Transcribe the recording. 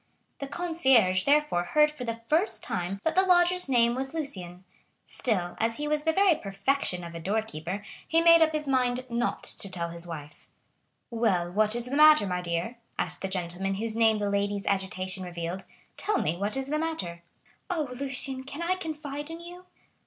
The concierge therefore heard for the first time that the lodger's name was Lucien; still, as he was the very perfection of a door keeper, he made up his mind not to tell his wife. "Well, what is the matter, my dear?" asked the gentleman whose name the lady's agitation revealed; "tell me what is the matter." "Oh, Lucien, can I confide in you?"